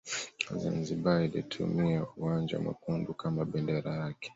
Zanzibar ilitumia uwanja mwekundu kama bendera yake